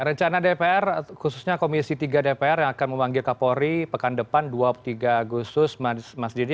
rencana dpr khususnya komisi tiga dpr yang akan memanggil kapolri pekan depan dua puluh tiga agustus mas didi